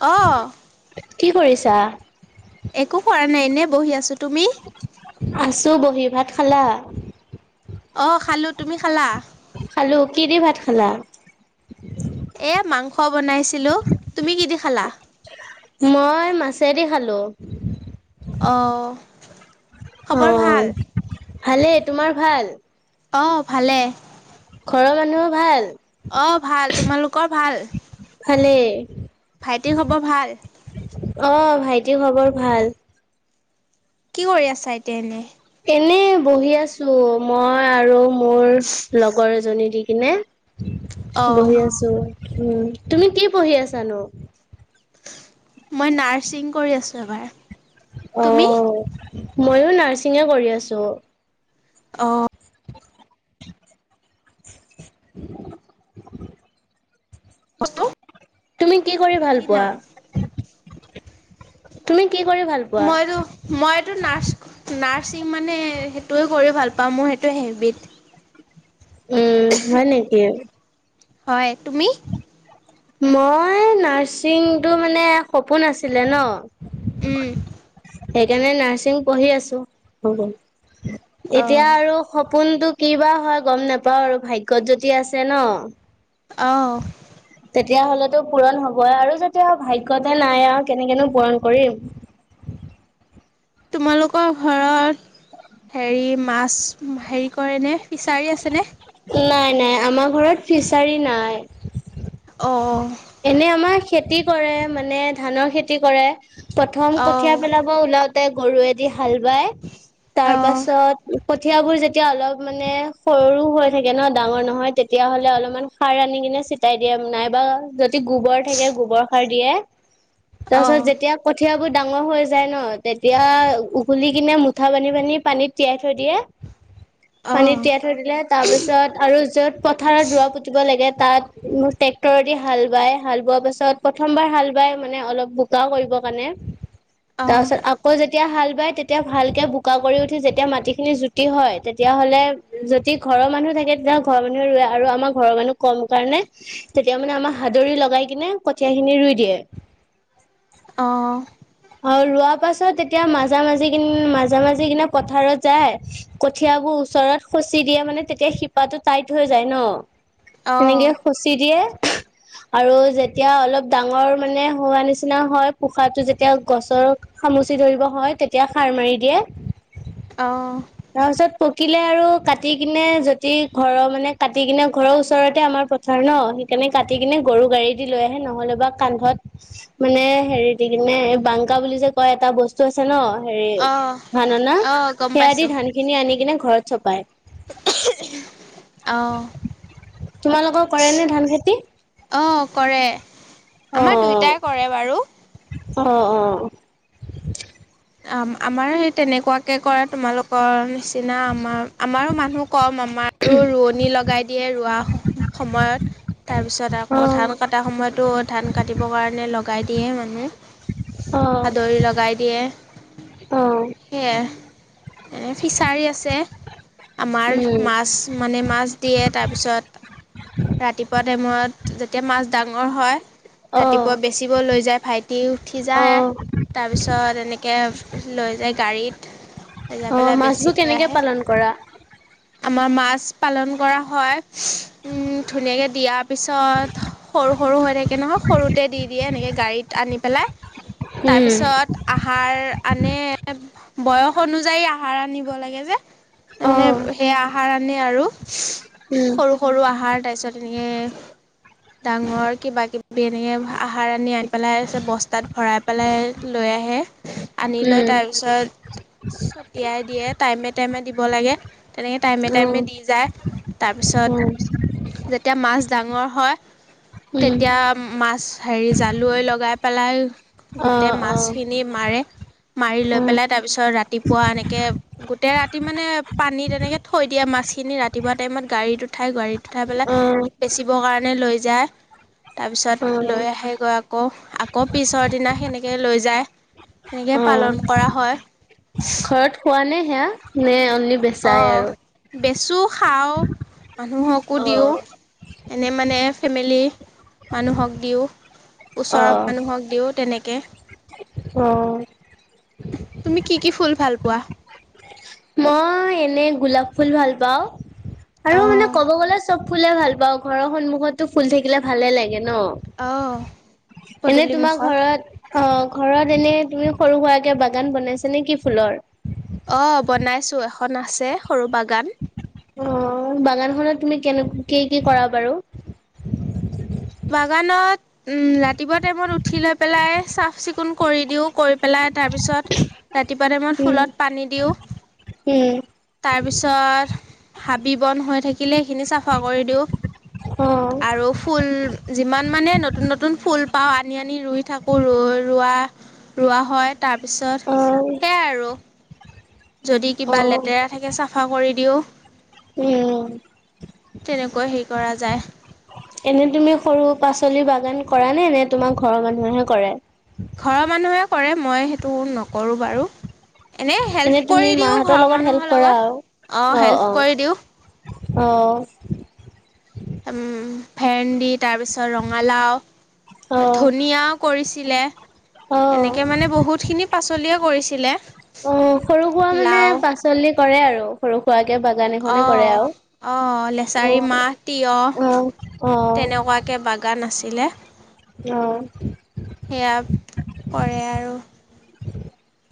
অ', কি কৰিছা? একো কৰা নাই। নাই এনে বহি আছো। তুমি? আছো বহি। ভাত খালা? অহ খালো তুমি খালা খালো। কি দি ভাত খালা এ মাংস বনাইছিলো তুমি কি দি খালা মই মাছেদি খালোঁ। অ' খবৰ ভাল? অহ, ভালেই তোমাৰ ভাল? অ ভালে ঘৰৰ মানুহো ভাল। অ' ভাল তোমালোকৰ ভাল? ভালেই ভাইটিৰ খবৰ ভাল? টি, খবৰ ভাল। কি কৰি আছা এতিয়া, এনেই? এনেই বহি আছোঁ মই আৰু মোৰ লগৰ এজ জনী দি কিনে অ', বহি আছো। উম, তুমি কি পঢ়ি আছা নো? মই নাৰ্ছিং কৰি আছো এইবাৰ। অ' ময়ো নাৰ্ছচিঙে কৰি আছোঁ। অ' [inaudible] তুমি কি কৰি ভাল পোৱা? তুমি কি কৰি ভাল পোৱা? মইতো, মইতো নাৰ্চ, নাৰ চিং মানে, সেইটোৱে কৰি ভাল পাওঁ, মোৰ সেইটোৱে হেবিট উম, হয় নেকি? হয়, তুমি? মই নাৰ্ছিংটো মানে সপোন আছিলে ন। উম। সেইকাৰণে নাৰ্ছিং পঢ়ি আছোঁ। এতিয়া অ', আৰু সপ পোনটো কিবা হয় গম নাপাওঁ আৰু, ভাগ্যত যদি আছে ন অ' তেতিয়া হ'লেতো পূৰণ হ'ব আৰু যেতিয়া আৰু ভাগ্যতে নাই আৰু কেনেকেনো পূৰণ কৰিম! তোমালোকৰ ঘৰত, হেৰি মাছ হেই কৰেনে ফিচাৰি আছেনে? নাই নাই, আমাৰ ঘৰত ফিচাৰী নাই। অ' এনে, আমাৰ খেতি কৰে, মানে ধানৰ খেতি কৰে। প্ৰথম কঠিয়া অ', পেলাব ওলাওঁত তে গৰুৱে দি হাল বায়, তাৰ অ', পাছত কঠিয়াবোৰ যেতিয়া অলপ মানে সৰু হৈ থাকে ন ডাঙৰ নহয়, তেতিয়াহ'লে অলপমান সাৰ আনি কিনে ছটিয়াই দিয়ে, নাইবা যদ দি গোবৰ থাকে, গোবৰ সাৰ দিয়ে। [inaudible] তাৰছত অ', যেতিয়া কঠিয়াবোৰ ডাঙৰ হৈ যায় ন, তেতিয়া ওঘলি কিনে মুঠা বান্ধি বান্ধি পানীত তিয়াই থৈ দিয়ে। অ', পানীত তিয়াই অ', থৈ দিলে, তাৰ পিছত আৰু য'ত পথাৰত ৰোৱা পুতিব লাগে তাত ট্ৰেক্টৰ দি হাল বাই হাল বোৱাৰ পাছত প্ৰথমবাৰ হাল বাই মানে অলপ বোকাও কৰিবৰ কাৰণে। অ', তাৰপিছত আকৌ যেতিয়া হাল বাই তেতিয়া ভালকে বোকা কৰি উঠি যেতিয়া মাটি খিনি জুতি হয়, তেতিয়াহ'লে যদি ঘৰৰ মানুহ থাকে তেতিয়াহ'লে ঘৰৰ মানুহে ৰুৱে আৰু আমাৰ ঘৰৰ মানুহ কম কাৰণে তেতিয়া মানে আমাৰ হাদৰি লগাই কিনে কঠীয়া খিনি ৰুই দিয়ে। অ'। আৰু ৰোৱা পাছত তেতিয়া মাজে, মাজি কিন মাজা, মাজি কিনে পথাৰত যায় কঠিয়াবোৰ ওচৰত সচি দিয়ে মানে তেতিয়া শিপাটো টাইট হৈ যায় ন। সেনেকে অ', সচি দিয়ে। আৰু যেতিয়া অলপ ডাঙৰ মানে হোৱা নিচিনা হয়, [unintelligible] যেতিয়া তেতিয়া গছৰ খামুচি ধৰিব হয়, তেতিয়া সাৰ মাৰি দিয়ে। অ'। তাৰপিছত পকিলে আৰু কাটি কিনে যদি ঘৰৰ মানে কাটি কিনে ঘৰৰ ওচৰতে আমাৰ পথাৰ ন! সেইকাৰণে কাটি কিনে গৰু গাড়ী দি লৈ আহে নহ'লে বা কান্ধত মানে হেৰি দি নে, এই বাংকা বুলি যে, কয় এটা বস্তু আছে ন। হেৰি অ', ধান অনা, অ', গম সেয়া দি পাইছোঁ ধান খিনি আনি কেনে ঘৰত চপায়। অ', তোমালোকৰ কৰেনে ধান খেতি? অ', কৰে। অ আমাৰ দুইটায় কৰে বাৰু। অ', অ'। আমা-আমাৰ সেই তেনেকুৱাকে কৰা তোমালোকৰ নিচ সদিনা আমাৰ আমাৰো মানুহ কম আমাৰো ৰোৱনী লগাই দিয়ে ৰোৱা সময়ত তাৰপিছত আকৌ ধান অ কটাাৰ সময়তো ধান কাটিবৰ কাৰণে লগাই দিয়ে মানুহে অ সাদৰ লগাই দিয়ে অ সেয়াই এনে ফিছাৰী আছে আমাৰ উম মাছ মানে মাছ দিয়ে তাৰপিছত ৰাতিপুৱা টাইমত যেতিয়া মাছ ডাঙৰ হয়। অ ৰাতিপুৱা বেচিব লৈ যায় ভাইটি উঠি অ যায় তাৰপিছত এনেকে লৈ যায় গাড়ীত লৈ যাই অ পেলাই মাছবোৰ বেছি থৈ কেনেকে আহে। পালন কৰা আমাৰ মাছ পালন কৰা হয়। ধুনীয়াকে দিয়াৰ পিছত সৰু সৰু হৈ থাকে নহয় সৰুতে দি দিয়ে এনেকে গাড়ীত আনি পেলাই উম তাৰপিছত আহাৰ আনে বয়স অনুযায়ী আহ। ভাড়া আনিব লাগে যে। তাৰ অ মানে সেইয়া আহাৰ আনে আৰু উম সৰু সৰু আহাৰ। পাছত এনেকে ডাঙৰ কিবা কিবি আহাৰ আনি আনি পেলাই আছে বস্তাত ভৰাই পেলাই লৈ আহে আনি লৈ উম তাৰপিছত ছটিয়াই দিয়ে। টাইমে টাইমে দিব লাগে। তেনেকৈ টাইমে উম টাইমে দি যায় উম তাৰপিছত এতিয়া মাছ ডাঙৰ হয়। উম তেতিয়া মাছ হেৰি জালুৱৈ লগাই পেলাই অ গোটেই অ মাছখিনি মাৰে, মাৰি লৈ উম পেলাই তাৰপিছত ৰাতিপুৱা এনেকে গোটেই ৰাতি মানে পানীত তেনেকে থৈ দিয়ে মাছখিনি ৰাতিপুৱা টাইমত গাড়ীত উঠাই গাড়ীত পেলাই অ বেচিবৰ কাৰণে লৈ যায়। [unintelligible] অ তাৰপিছত লৈ আহে গৈ আকৌ, আকৌ পিছৰ দিনা তেনেকৈ লৈ যায়, তেনেকৈ অ পালন কৰা হয়। এয়া নে অনলি বেচাই অঁ আৰু। বেচোঁ খাওঁ। মানুহকো অ দিওঁ। এনে মানে ফেমিলি মানুহক দিওঁ। অ ওচৰৰ মানুহক দিও তেনেকে কে। অ। তুমি কি কি ফুল ভাল পোৱা? মই এনে গোলাপ ফুল ভাল পাওঁ। আৰু মানে অ', ক'ব গ'লে চব ফুলে ভাল পাওঁ, ঘৰৰ সন্মুখতটো ফুল থাকিলে ভালে লাগে। ন, অ', এনে পদূলি তোমাৰ মুখত। ঘৰত অ ঘৰত এনে তুমি সৰু সুৰাকে বাগান বনাইছে নে কি ফুলৰ? অ বনাইছো এখন আছে। সৰু বাগান। অ বাগানখনত তুমি কেনে, কি কি কৰা বাৰু উঠিপেলাই চাফ চিকুণ, চিকুণ কৰি দিও কৰি পেলাই তাৰ পিছত ৰাতিপুৱা টাইমত উম ফুলত পানী দিওঁ উম তাৰপিছত হাবি বন্ধ হৈ থাকে। আকিলে সেইখিনি চাফা কৰি দিওঁ অ আৰু ফুল, যিমান মানে নতুন নতুন ফুল পাওঁ আনি আনি ৰুই থাকোঁ ৰোৱা ৰোৱা হয় তাৰপিছত অ', সেয়াই আৰু যদি কিবা অ', লেতেৰা থাকে চাফা কৰি দিওঁ উম। তেনেকৈ হেৰি কৰা যায়। এনে তুমি সৰু পাচলি বাগান কৰা নে নে তোমাৰ ঘৰৰ মানুহে কৰে। ঘৰৰ মানুহে কৰে মই সেইটো নকৰোঁ বাৰু এনেই এনে হেল্প তুমি কৰি দিওঁ মাহঁতৰ ঘৰৰ লগত হেল্প মানুহৰ কৰা লগত আৰু। অঁ অ', হেল্প অ', কৰি দিওঁ। অ' উ উম ভেণ্ডত তাৰপিছত ৰঙালাও অ', ধনিয়াও কৰিছিলে অ', এনেকৈ মানে বহুতখিনি পাচলিয়ে কৰিছিলে। ছিলে- অ সৰু খুোৱা মানে পাচলি কৰে আৰু সৰু খুৱ অ আহ লেচাৰী অ', মাহ অ', তিয়হ অ', অ', তেনেকুৱাকে বাগান আছে। [inaudible] অ' সেয়া কৰে আৰু আৰু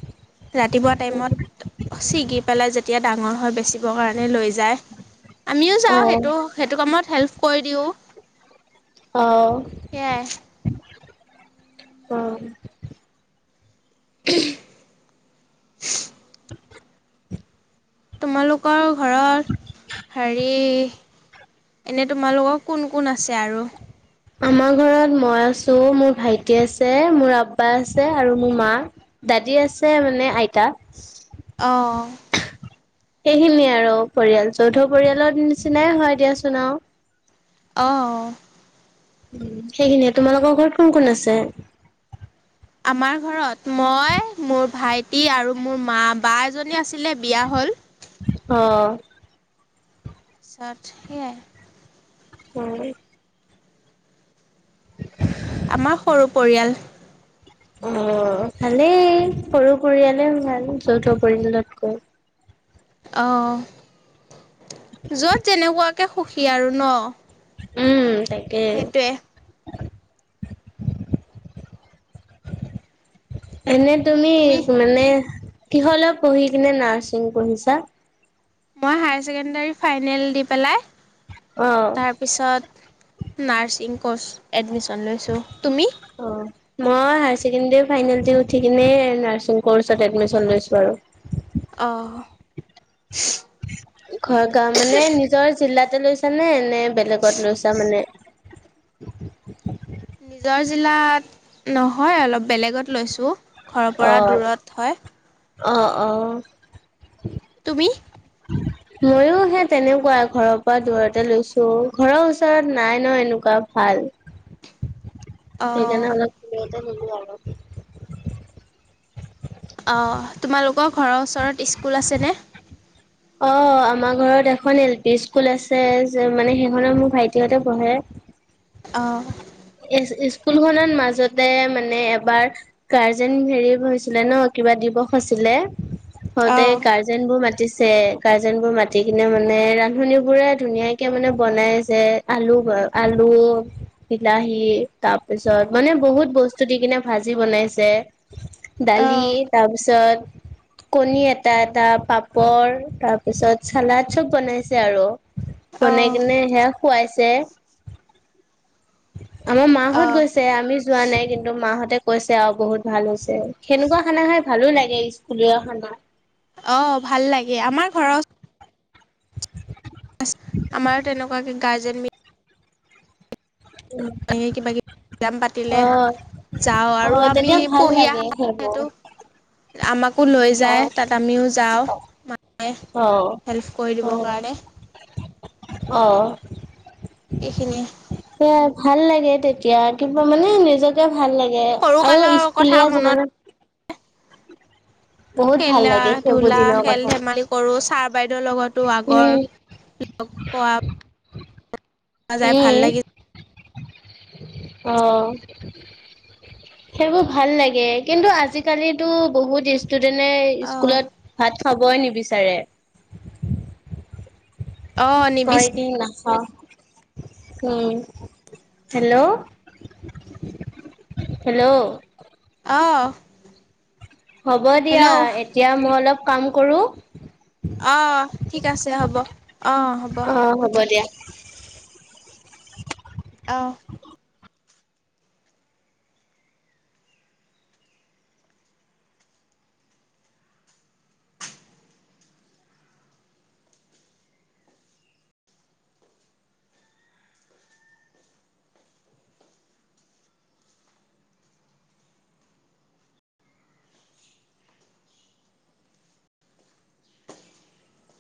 ৰাতিপুৱা টাইমত ছিগি পেলাই যেতিয়া ডাঙৰ হয় বেচিবৰ কাৰণে লৈ যায় আমিও যাওঁ অ'। সেইটো সেইটো কামত হেল্প! কৰি' আহ! সেয়াই অ' [inaudible] [inaudible] তোমালোকৰ ঘৰত হেৰি এনে তোমালোকৰ কোন কোন আছে আৰু আমাৰ ঘৰত মই আছো মোৰ ভাইটি আছে মোৰ আব্বা আছে আৰু মোৰ মা দাদী আছে মানে আইতা, আহ! সেইখিনিয় আৰু পৰিয়াল যৌথ পৰিয়ালৰ নিচিনাই হয় দিয়াচোন আৰু আহ! সেইখিনিয়ে তোমালোকৰ ঘৰত কোন কোন আছে। আমাৰ ঘৰত মই মোৰ ভাইটি আৰু মোৰ মা বা এজনী আছে, ছিল বিয়া হ'ল। অ', চট সোই উম [unintelligible] আমাৰ সৰু পৰিয়াল অ ভালেই সৰু পৰিয়ালেও ভাল যৌথ পৰিয়ালতকৈ অঁ যোৱা যেনেকুৱা তে সুখী আৰু ন উম তাকে সেইটোৱে এনে তুমি মানে কিহল পঢ়ি কিনে নাৰ্ছিং পঢ়িছা মই হডী ফাইনেল দি পেলাই অ', তাৰপিছত নাৰ্ছিং ক'ৰ্চ এডমিশন লৈছোঁ তুমি অ'। মই হায় ছেকেণ্ডী ফাইনেল উঠি কিনে নাৰছিং কৰ্চত এডমিন লৈছো আৰু [unintelligible] [unintelligible] ঘ মানে নিজৰ জিলাত তাতে লৈছা নে নে বেলেগত লৈছা মানে উ নিজৰ জিলাত নহয় অলপ বেলেগত লৈছোঁ ঘৰৰ পৰা অ'। দূৰত হয় অ অ তুমি ময়ো সে তেনেকুৱা ঘৰৰ পৰা দূৰতে লৈছো ঘৰৰ ওচৰত নাই ন এনেকুৱা ভাল অঁ [unintelligible] [unintelligible] অ', তোমালোকৰ ঘৰৰ ওচৰত ইস্কুল আছেনে? অ', আমাৰ ঘৰত এখন এল পি ইস্কুল আছে যে, মানে সেইখনত মোৰ ভাইটিহঁতে পঢ়ে। অ'। ই-ইস্কুল খনত মাজতে মানে এবাৰ গাৰ্জেন হেৰি হৈছিলে ন! কিবা দিৱস আছিলে। সদায় অঁ গাৰ্জেনবোৰ মাত মাতিছে গাৰ্জেন বোৰ মাতি কিনে মানে ৰান্ধনী বোৰে ধুনীয়াকে মানে বনাইছে আলু, আলু বিলাহী তাৰপিছত মানে বহুত বস্তু দি কিনে ভাজি বনাইছে। দালি অঁ তাৰপিছত কণী এটা এটা পাপৰ তাৰপিছত চালাড চব বনাইছে আৰু। অঁ বনাই কিনে সেয়া খুৱাইছ তে আমাৰ মাহঁত অঁ গৈছে আমি যোৱা নাই কিন্তু মাহঁতে কৈছে আও বহুত ভাল হৈছে সেনেকুৱা খানা খাই ভালো লাগে স্কুলীয়া খানা অ ভাল লাগে আমাৰ ঘৰৰ ওচ [unintelligible] আমাৰো তেনেকুৱা কিন্ গাজল মি ধেই কিবা কিবি [unintelligible] পাতিলে অ যাওঁ অ', আৰু আমি তেতিয়া ভাল পঢ়ি লাগে আহা সেইবোৰ সেইটো আমাক কো লৈ যায় অ', তাত আমিও যাওঁ মায়ে অ', হেল্প কৰি দিবৰ অ', কাৰণে এইখিনিয়ে এ ভাল লাগে তেত এতিয়া কিবা মানে নিজকে ভাল লাগে সৰু আৰু কালৰ কথা স্কুলীয়া মনত জীৱনত বহুত ভাল খেলা লাগে সেইবোৰ ধূলা দিনৰ খেল কথা ধেমালি কৰো ছাৰ বাইদেউৰ লগতো উম, আগৰ লগ পোৱা যায় ভাল উম, লাগি অ, সেইবোৰ ভাল লাগে কিন্তু আজিকালিতো বহু ডিচ ষ্টুডেনে অ স্কুলত ভাত খাবই নিবিচাৰে। অ নিবিচ কয় কি না অ, উম, হেল্ল', হেল্ল', অ', হ'ব দিয়া হেল্ল' এতিয়া মই অলপ কাম কৰোঁ। অ, ঠিক আছে হ'ব। অ হ'ব অ, হ'ব দিয়া। অ',